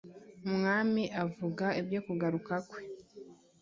Umwami avuga ibyo kugaruka kwe,